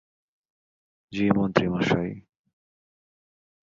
জি, মন্ত্রী মশাই।